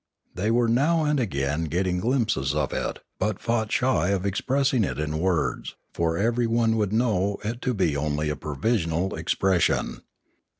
They were now and again getting glimpses of it, but fought shy of expressing it in words, for everyone would know it to be only a provisional expression.